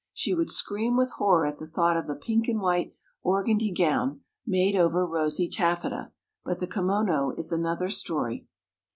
She would scream with horror at the thought of a pink and white organdie gown, made over rosy taffeta, but the kimono is another story.